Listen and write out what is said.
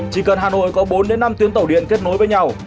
chỉ cần hà nội có bốn năm tuyến tàu điện kết nối với nhau